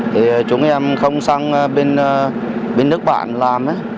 thì chúng em không sang bên nước bạn làm